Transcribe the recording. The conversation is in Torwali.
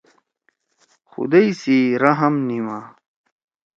خُدئی سی رحم نِما۔